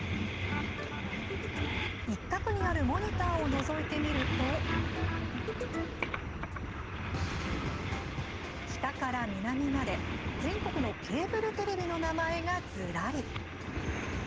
一角にあるモニターをのぞいてみると北から南まで、全国のケーブルテレビの名前がずらり。